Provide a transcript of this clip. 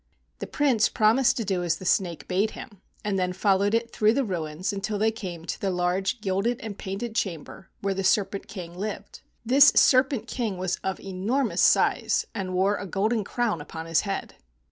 The Prince promised to do as the snake bade him, and then followed it through the ruins until they came to the large gilded and painted chamber where the Serpent King lived. This Serpent King was of enormous size, and wore a golden crown upon his head.